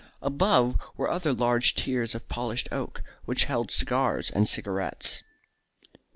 Above were other larger tiers of polished oak, which held cigars and cigarettes.